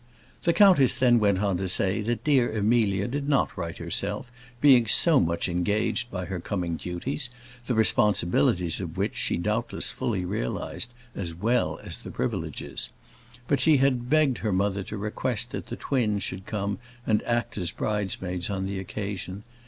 The countess then went on to say, that dear Amelia did not write herself, being so much engaged by her coming duties the responsibilities of which she doubtless fully realised, as well as the privileges; but she had begged her mother to request that the twins should come and act as bridesmaids on the occasion.